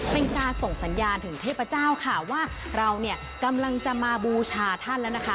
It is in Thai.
เป็นการส่งสัญญาณถึงเทพเจ้าค่ะว่าเราเนี่ยกำลังจะมาบูชาท่านแล้วนะคะ